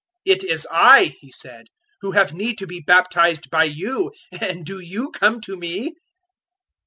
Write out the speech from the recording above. "It is I," he said, "who have need to be baptized by you, and do you come to me?"